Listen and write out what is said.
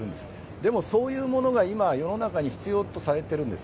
でも、そういうものが今世の中に必要とされてるんです。